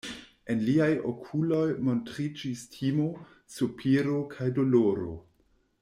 En liaj okuloj montriĝis timo, sopiro kaj doloro.